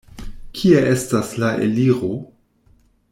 Kie estas la eliro?